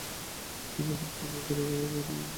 এই মহান সাধকের অনেক উপাখ্যান লোক মুখে প্রচলিত রয়েছে।